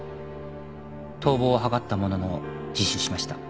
逃亡を図ったものの自首しました。